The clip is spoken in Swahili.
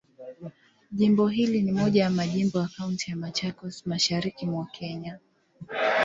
Jimbo hili ni moja ya majimbo ya Kaunti ya Machakos, Mashariki mwa Kenya.